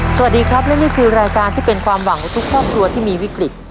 สวัสดีครับและนี่คือรายการที่เป็นความหวังของทุกครอบครัวที่มีวิกฤต